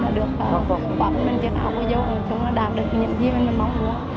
đã được bảo vệ cho đạo của dâu chúng đã đạt được những gì mình mong muốn